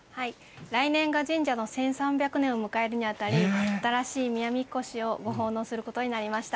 来年が神社の１３００年を迎えるにあたり、新しい宮神輿をご奉納することになりました。